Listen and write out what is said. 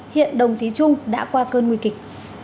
hiện đồng chí trung đã qua cơn nguy kịch